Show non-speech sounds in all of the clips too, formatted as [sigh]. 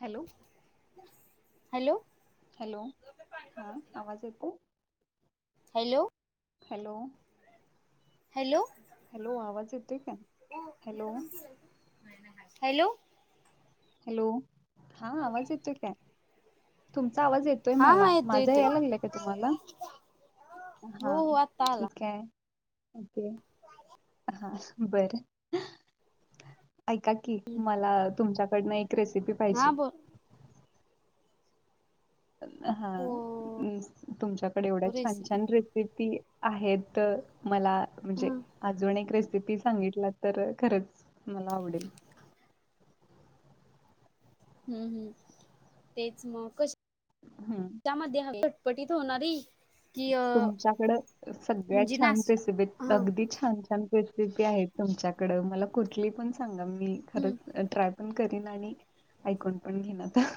Hello hello hello हा आवाज येतोय? हॅलो हॅलो हॅलो हॅलो आवाज येतोय का? हॅलो, हॅलो हॅलो, हा आवाज येतोय काय? तुम आवाज येतोय हा हा मला, येतोय माझा येतोय यायला लागलाय का तुम्हाला? हो हा, हो आत्ता आला ठीक आहे. ओके,, हां बरं, ऐका की, मला तुमच्याकडनं एक रेसिपी पाहिजे. हा बोल हा, हो तुमच्याकडे एवढ्या छान रेसिपी छान रेसि पी आहेत. तर मला ह म्हणजे हम्म अजून एक रिस् सांगितला तर खरच मला आवडेल. हम्म हम्म,, तेच मग कशी हम्म त्यामध्ये हवी. पटीत होणारी. कि अ तुमच्याकडं, सगळ्यात म्हणजे छान नाश रेसिपी हा अगदी छान, छान. रेसिपी आहेत तुमच्याकडं मला कुठली पण सांगा मी हम्म खरंच ट्राय पण करीन, आणि ऐकून पण घेईन आता.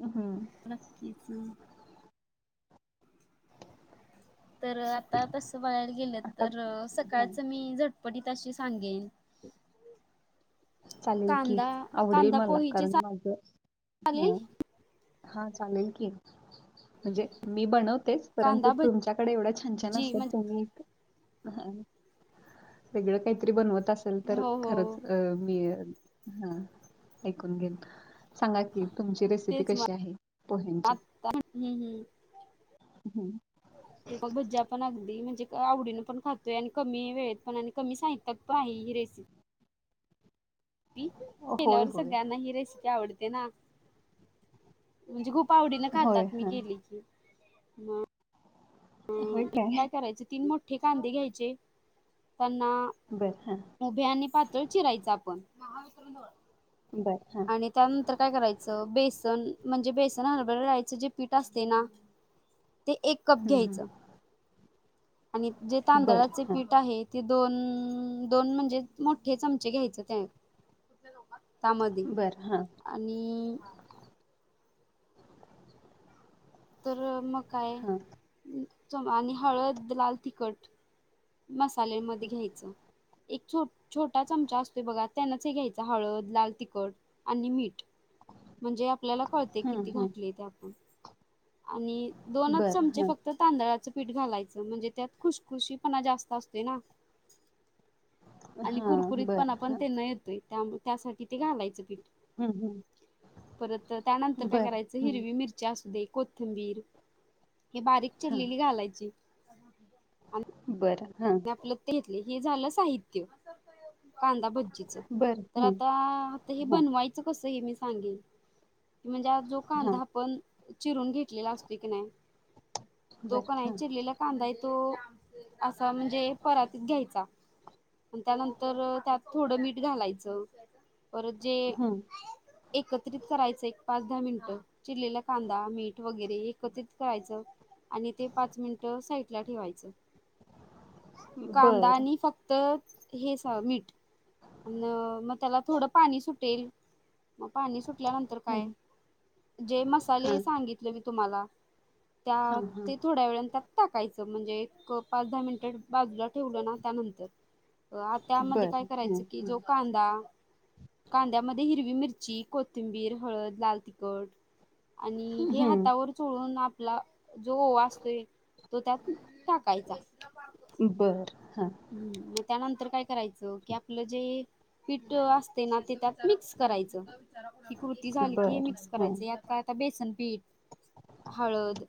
अं हम्म. नक्कीच तर आता,, तस बघयला गेलं आता तर हा सकाळच मी झटपटीतऽऽऽ तशी सांगेन. चालेल की, कांदा आवडेल कांदा मला पोहेची कारण माझ चालेल हा. हा चालेल की, म्हणजे मी बनवऽ तेच, परंतु कांदा तुमच्याकडे एवढं छान, छान भजी असतात म्हणजे तुम्ही ह, वेगळं काहीतरी बनवत असेल तर हो हो खरंच अं,, हा,, ऐकून घेत सांगा की,, तुमची रेसिपी तेच मग कशी आहे पोह्यांची हम्म हम्म हम्म. ते बजा पण अगदी म्हणजे आवडीनं पण खातोय आणि कमी वेळेत पण आणि कमी साहित्यात पण आहे ही रेसिपी होय केल्यावर होय सगळ्यांना ही रेसिपी आवडते ना म्हणजे खूप आवडीन होय, खातात मी हां. केली की मग ह काय करायचे तीन मोठे कांदे घ्यायचे त्यांना बरं, हां. उभे आणि पातळ चिरायच आपण बरं, हां. आणि त्यानंतर काय करायचं बेसन म्हणजे बेसन हरभर डाळीचं जे पीठ असताना ते एक कप हं, हं. घ्यायचं आणि जे बरं, तांदळाचे हां. पीठ आहे ते म्हणजे मोठे चमचे घ्यायचे त्यामध्ये बरं, हां. आणि तर मग काय हां. च आणि हळद लाल तिखट मसाल्यामध्ये घ्यायचं एक छोटा चमचा असतोय बघा त्यानच हे घ्यायच हळद लाल तिखट आणि मीठ हो म्हणजे आपल्याला कळत किती घातले ते आपण आणि दोनच बरं, चमचे हां. फक्त तांदळाचे पीठ घालायचं म्हणजे त्यात खुशखुशीपणा जास्त असते ना आणि हां, बरं. कुरकुरीतपणा पण तेन येतोय त्यासाठी ते घालायचं पीठ हं, हं. परत तर त्यानंतर काय बरं, करायचं हं. हिरवी मिरच्या असू दे कोथिंबीर हे बारीक हां. चिरलेली घालायची बरं, हां. आपल्यात घेतले हे झालं साहित्य कांदा भजीच बरं, तर हं. आता आता हे हां, बनवायचं कस हे मी सांगेन म्हणजे आ जो कांदा हां. आपण चिरून घेतलेला असतो की नाही तो बरं, कणी आहे हां. चिरलेला कांदा असतोय तो म्हणजे परातीत घ्यायचा आणि त्यानंतर त्यात थोडं मीठ घालायचं पर जे हं. एकत्रित करायच एक पाच दहा मिनिटं चिरलेला कांदा मीठ वगैरे एकत्रित करायचं आणि ते पाच मिनिट साईड ला ठेवायचं कांदा बरं, आणि फक्त हे मीठ अ मग त्याला थोडं पाणी सुटेल मग पाणी सुटल्यानंतर हं. काय जे हां, मसाले सांगितले मी तुम्हाला हां, त्या हां. ते थोड्या वेळ त्यात टाकायचं म्हणजे एक पाच दहा मिनिटे बाजूला ठेवलं ना त्यानंतर त्यामध्ये काय बरं, हं, करायचं की हं. जो कांदा कांद्यामध्ये हिरवी मिरची ची कोथिंबीर हळद लाल तिखट आणि हे हं. हातावर चोळून आप ला जो वाचतोय तो त्यात टाकायच हम् बरं, हां. म त्यानंतर काय करायचं की आपलं जे पीठ असते ना ते त्यात मिक्स करायचं की कृती झाली की हे बरं, मिक्स हां. करायच यात काय बेसनपीठ हळद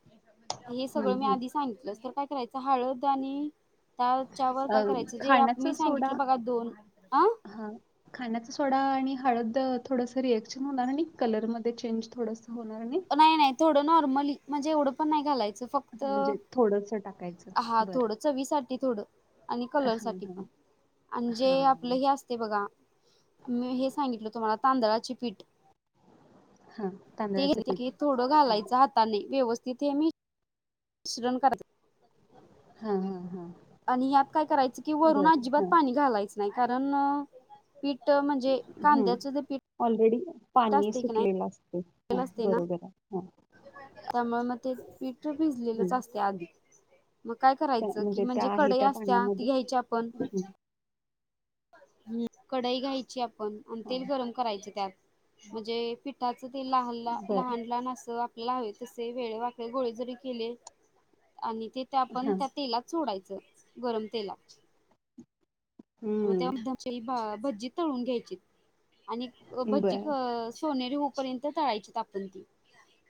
हे हं, सगळं मी हं. आधी सांगितलं काय करायच हळद आणि त्याच्यावर अ, काय करायचं जे खाण्याचा मी सोडा सांगितलं बघा दोन, अं हा खाण्याचा सोडा आणि हळद थोडस रिएक्शन होणार आणि कलर मध्ये चेंज थोडसं. नाही नाही थोडं नॉर्मली म्हणजे एवढं पण नाही घालायचं. फक्त हा म्हणजे थोडसा हा थोडं चवीसाठी थोडं आणि कलर हां साठी हां पण. आणि जे आपलं हां हे असते बघा मी हे सांगितलं तुम्हाला तांदळाची पीठ. हां तांदळाचं पीठ ते थोडं हां घालायचं हाताने व्यवस्थित हे मिश्रण करा. हा हा हां आणि यात काय करायचं की वरून बरं अजिबात हां पाणी घालायचं नाही कारण पीठ म्हणजे हं कांद्याचं ते पीठ ऑलरेडी पाणी असते की नाही सुटलेलं असते हा असते ना बरोबर हं. त्यामुळे मग ते पीठ भिजलेलंच हं असते आधी. मग काय त्या करायचं कि त्या म्हणजे आहे कढई त्या असत्या ती पाण्यामध्ये घ्यायची आपण. हं ह कढाई घायची आपण आणि हां तेल गरम करायचे त्यात म्हणजे पीठ त्याच ते लहान बरं लहान लहान असं लावे तसे वेळे वाकळे गोळे जरी केले आणि ते त्या आपण हां त्या तेला चोडायच. गरम तेलात. मग हं त्याची भज्जी तळून घ्यायची आणि भज्जी बरं सोनेरी होऊपर्यंत तळायची आपण ती.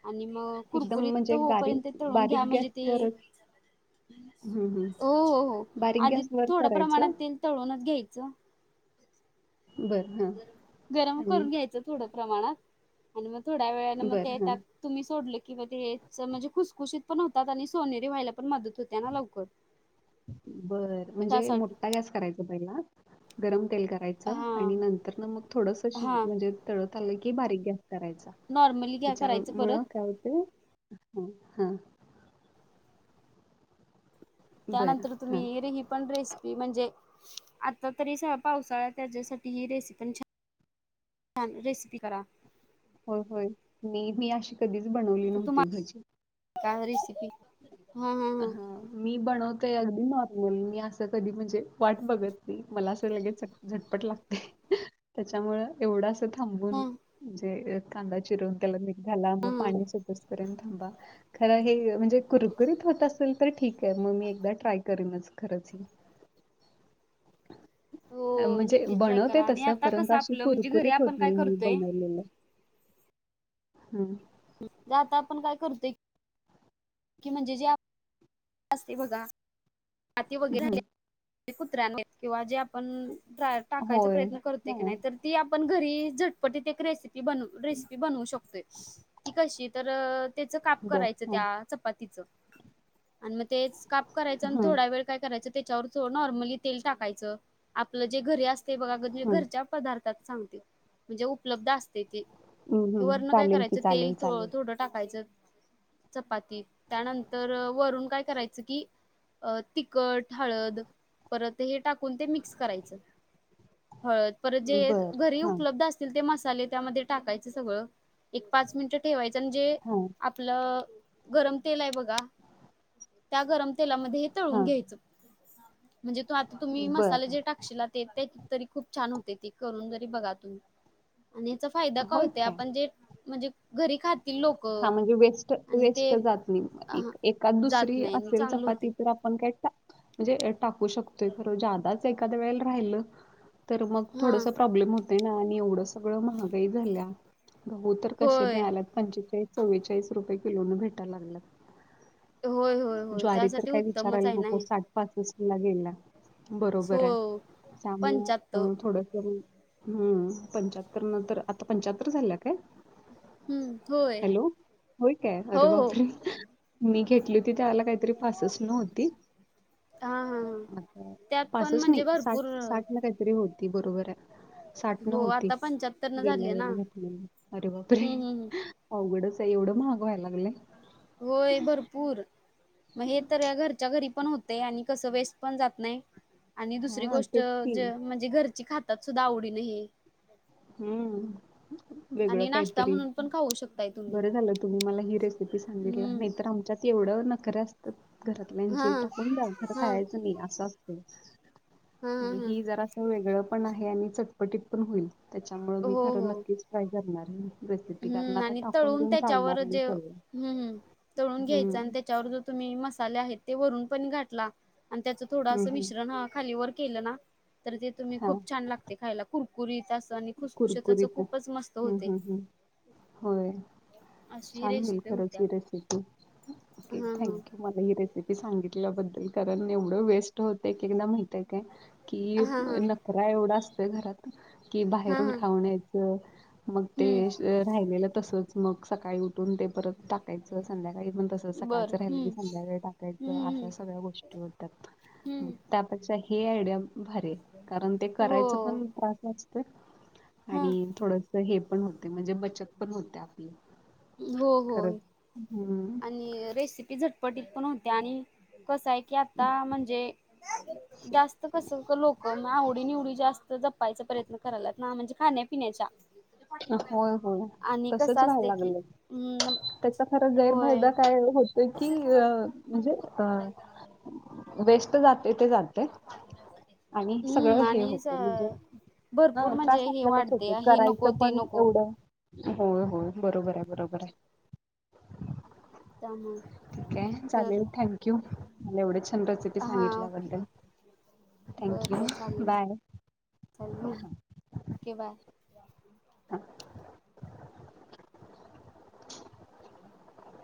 आणि मग एकदम कुरकुरीत तर म्हणजे गारीक होईपर्यंत तळून बारीक घ्या म्हणजे ते गॅसवरच हं हं हो हो हो बारीक आधी गॅसवर थोडं प्रमाणात करायचं तेल तळूनच घ्यायचं. बरं हां गरम आणि करून घ्यायचं थोडं. प्रमाणात आणि मग थोड्या वेळेने मग बरं ते हां. तुम्ही सोडलं की मग म्हणजे खुसखुशीत पण होतात आणि सोनेरी व्हायला. पण मदत होते ना लवकर बर म्हणजे त्यासाठी मोठा गॅस करायचा पहिला? गरम तेल करायचं आणि हा नंतर ना मग थोडस हा म्हणजे तळत आलं की बारीक गॅस करायचा नॉर्मली काय ह्याच्या करायचं मुळ परत काय होत हं हां. बरं त्यानंतर हां. तुम्ही [unintelligible] ही पण रेसिपी म्हणजे आता तरी स पावसाळ्या त्याच्यासाठी ही रेसिपी छान छान रेसिपी करा. हो होय मी मी अशी कधीच बनवली आता नव्हती तुम्हाला भजी. का रेसिपी हा मी बनवत ते अगदी नॉर्मल मी असं कधी म्हणजे वाट बघत नाही मला असं लगेच झटपट लागते. त्याच्यामुळें एवढाच. थांबून हा ह म्हणजे कांदा चिरवून त्याला मीठ घाला मग ह ह पाणी सुटेपर्यंत थांबा. खर हे म्हणजे कुरकुरीत होत. असेल तर ठीक आहे मग मी एकदा ट्राय करेनच खरचं. हो म्हणजे नक्कीच ट्राय बनवते करा आणि तसं आता परंतु कसं अशी आपलं म्हणजे घरी कुरकुरीत आपण होत काय नाही मी करतोय बनवलेलं. हम्म आता आपण काय करतोय कि म्हणजे जे ते बघा माती वगैरे हं. कुत्र्याने किंवा जे आपण टाकायचा होय प्रयत्न करत की हां नाही तर ती आपण घरी झटपटीत एक रेसिपी रेसिपी बनवू शकतोय की कशी तरं त्याच काप बर करायचं हां त्या चपातीचं आणि मग तेच काप कराचं आणि हां थोडा वेळ काय करायचं. त्याच्यावरो नॉर्मली तेल टाकायच आपलं जे घरी असते बघा हां घरच्या पदार्थ सांगते म्हणजे उपलब्ध असते ते. हं, कि हं. वर्ण काय चालेल की करायचं तेल चालेल चालेल थोडं टाकायचं. चपाती त्यानंतर वरून काय करायचं कि अ तिखट, हळद परत हे टाकून ते मिक्स करायचं. हळद परत जे बर घरी हां उपलब्ध असतील ते मसाले त्यामध्ये टाकायचे सगळं. एक पाच मिनिटं ठेवायचं आण जे हां आपलं गरम तेल आहे बघा त्या गरम तेलामध्ये हे तळून हां, घ्यायचं. म्हणजे तो आता तुम्ही मसाले बरं. जे टाकशिला ते त्या तरी खूप छान होतिया ती करून जरी बघा तुम्ही आणि याचा फायदा काय होत आपण जे म्हणजे घरी खात हा म्हणजे वेस्ट वेस्ट जात नाही अहं एक एक जात दुसरी नाही असेल चांगलं होते चपाती तर आपण काय? म्हणजे टाकू शकतोय खरं ज्यादाचं एखाद्या वेळेला राहिलं तर मग हा थोडसं प्रॉब्लेम होतयं ना आणि एवढं सगळं महागाई झालिया. गहू तर कसे होय. मिळाल्यात पंचेचाळीस चव्वेचाळीस रुपये किलो न भेटाय लागल्यात. होय होय होय ज्वारी तर त्यासाठी काय उत्तमच आहे विचारायला ना नको हे साठ पासष्ठ ला गेलिया, बरोबर आहे, हो. त्यामुळे पंच्याहत्तर अ थोडसं म हम्म पंच्याहत्तर न तर आता पंचाहत्तर झालिया काय? हम्म. होय. हॅलो, होय काय हो अरे हो बापरे, मी घेतली ह त्यावेळेला काहीतरी पासष्ठ न होती, हां हां हां त्यात पण पासष्ठ नाही म्हणजे साठ भरपूर साठ न काहीतरी होती बरोबर आहे. साठणं हो होती आता पंच्याहत्तर न गेल्या झाले ना वेळेला घेतलेली अरे बापरे हम्म हम्म हं. अवघडच आहे, एवढं महाग व्हाय लागलंयं. होय भरपूर. मग हे तर घरच्या य घरी पण होतयं आणि कसं वेस्ट पण जात नाही. आणि दुसरी हा गोष्ट तेच की ज म्हणजे घरची खातात सुद्धा आवडीन हे. हम्म. वेगळं आणि नाश्ता काहीतरी म्हणून पण खाऊ शकताय तुम्ही बरं झालं तुम्ही मला ही रेसिपी सांगितला हम्म. नाहीतर आमच्यात तेवढं नखर असत्यात हा घरातल्याची हा टाकून द्या घर हा खायाचं नाही असं असतयं. हा हा ही जरा अस वेगळं पण आहे आणि चट पटीत पण होईल त्याच्यामुळेळ मी हो खरं हो नक्कीच ट्राय करणार हे. हम्म आणि तळून त्याच्यावर नाही जे सगळं हम्म हम. तळून घ्यायचं आणि हम्म त्याच्यावर जो तुम्ही मसाले आहे ते वरून पण घातला आणि त्याचं हम्म थोडं हम्म मिश्रण खाली वर केलं ना तर ते तुम्ही हा खूप छान लागतयं खायला कुरकुरीत असं आणि खुशखुशीत अस कुरकुरीत खूपच मस्त हम्म होतयं. हम्म हम्म होय. छान होईल रेसिपी होत्या खरचं ही रेसिपी ओेके हा थँक्यू मला ही रेसिपी सांगितल्याबद कारण एवढ वेस्ट होतय एक एकदा माहितयं काय की, हा हा हा नखरा एवढा अस घरात की हा बाहेरून हा खाऊण यायचं मग हम्म ते श राहिलेलं तसचं मग सकाळी उठ ठून ते परत टाकायचं संध्याकाळी पण तसंच बर सकाळचं राहिलं की हम्म संध्याकाळी टाकायचं हम्म अशा हम्म सगळ्या गोष्टी होत्यात. हम्म त्यापेक्षा हे आयडिया भारीय कारण ते करायचं हो पण त्रासंच तर हा आणि थोडसं हे पण होतयं म्हणजे बचत पण होतिया आपली हो होय खरंच हम्म आणि रेसिपी झटपटीत पण होतिया आणि कसयं की आता म्हणजे जास्त कस क लोक आवडी निवडी जास्त ज पायचा प्रयत्न करायल्यात ना म्हणजे खाण्यापिण्याचा. होय होय तसच व्हाय असते की लागलंयं. हम् त्याचा खर होय गैरफायदा काय होतोय की अ म्हणजे अ वेस्ट जातयं ते जातयं. आणि सगळं हम्म हे आणि होतयं म्हणजे भरपूर ह म्हणजे त्रास हे आपल्यालाच वाढते होतयं हे नको करायचं ते पण नको एवढ होय होय बरोबर आहे बरोबर आहे त्यामुळे ठीक आहे तर चालेल थँक्यू मला एवढे छान रेसिपी सांगितल्याबद्दल बर थँक्यू बर चालेल बाय चालेल ओके बाय हा [inaudible]